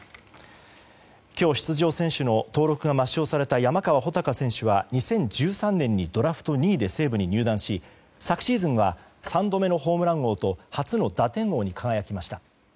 今日、出場選手の登録が抹消された山川穂高選手は２０１３年にドラフト２位で西武に入団し昨シーズンは３度目のホームラン王と初の打点王に輝きました。